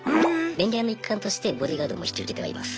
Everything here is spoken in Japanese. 便利屋の一環としてボディーガードも引き受けてはいます。